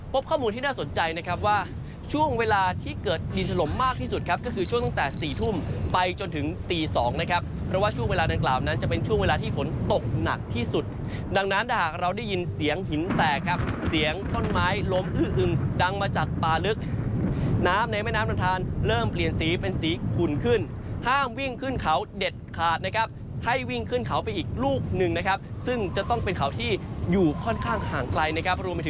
พบข้อมูลที่น่าสนใจนะครับว่าช่วงเวลาที่เกิดดินตลมมากที่สุดครับก็คือช่วงตั้งแต่๔ทุ่มไปจนถึงตี๒นะครับเพราะว่าช่วงเวลาดังกล่าวนั้นจะเป็นช่วงเวลาที่ฝนตกหนักที่สุดดังนั้นถ้าเราได้ยินเสียงหินแตกครับเสียงต้นไม้ล้มอื้ออึงดังมาจากปลาลึกน้ำในแม่น้ำนำทานเริ่มเปลี่